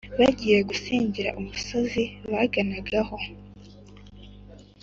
bagiye gusingira umusozi baganagaho,